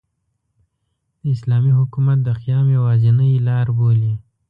د اسلامي حکومت د قیام یوازینۍ لاربولي.